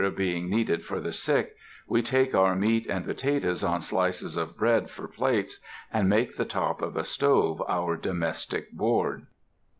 being needed for the sick, we take our meat and potatoes on slices of bread for plates, and make the top of a stove our domestic board.